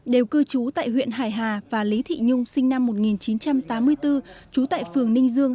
đều cư trú tại huyện hải hà và lý thị nhung sinh năm một nghìn chín trăm tám mươi bốn trú tại phường ninh dương